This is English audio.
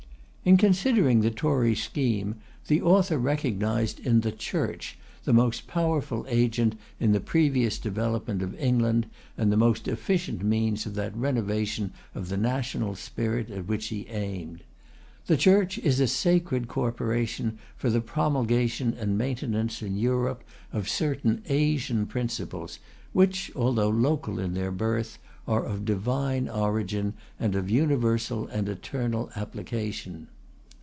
In considering the Tory scheme, the author recognised in the CHURCH the most powerful agent in the previous development of England, and the most efficient means of that renovation of the national spirit at which he aimed. The Church is a sacred corporation for the promulgation and maintenance in Europe of certain Asian principles, which, although local in their birth, are of divine origin, and of universal and eternal application.